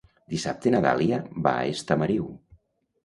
Dissabte na Dàlia va a Estamariu.